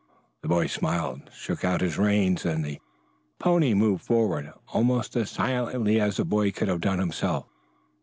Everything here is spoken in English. The boy smiled, shook out his reins and the pony moved forward almost as silently as the boy could have done himself.